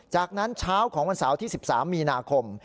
จากนั้นเช้าของวันเสาร์ที่๑๓มีนาคม